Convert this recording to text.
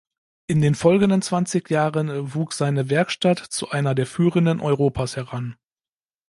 In den folgenden zwanzig Jahren wuchs seine Werkstatt zu einer der führenden Europas heran.